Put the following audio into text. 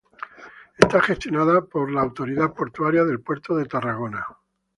Está gestionada por la autoridad portuaria del Puerto de Tarragona.